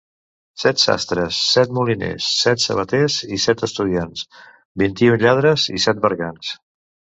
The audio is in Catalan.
Set sastres, set moliners, set sabaters i set estudiants, vint-i-un lladres i set bergants.